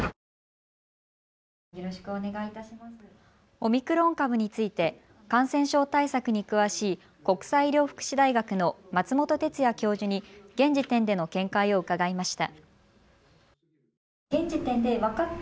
オミクロン株について感染症対策に詳しい国際医療福祉大学の松本哲哉教授に現時点での見解を伺いました。